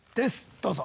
どうぞ！